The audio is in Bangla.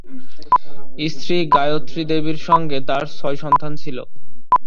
স্ত্রী গায়ত্রী দেবীর সঙ্গে তাঁর ছয় সন্তান ছিল।